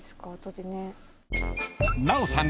［奈緒さん